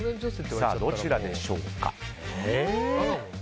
どちらでしょうか？